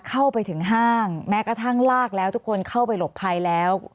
เข้าไปถึงห้างแม้กระทั่งลากแล้วทุกคนเข้าไปหลบภัยแล้ว